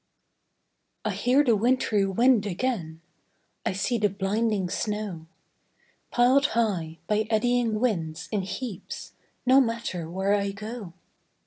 I hear the wintry wind again, I see the blinding snow, Pil'd high, by eddying winds, in heaps, No matter where I go.